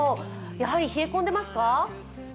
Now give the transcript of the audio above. やはり冷え込んでますか？